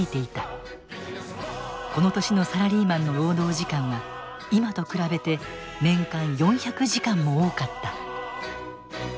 この年のサラリーマンの労働時間は今と比べて年間４００時間も多かった。